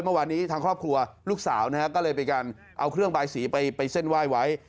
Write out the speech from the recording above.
เมื่อวานนี้ทางครอบครัวลูกสาวนะฮะก็เลยไปกันเอาเครื่องบายสีไปเส้นไหว้ไว้